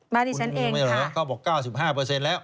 บ้านอีกชั้นเองค่ะเขาบอก๙๕แล้ว